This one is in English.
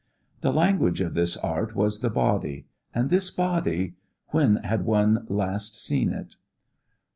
The language of this art was the body. And this body when had one last seen it?